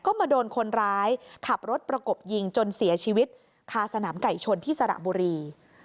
ก็มาโดนคนร้ายขับรถประกบยิงจนเสียชีวิตคาสนามไก่ชนที่สระบุรี